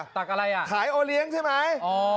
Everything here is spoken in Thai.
ตักอะไรอ่ะขายโอเลี้ยงใช่ไหม